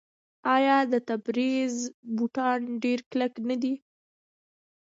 آیا د تبریز بوټان ډیر کلک نه دي؟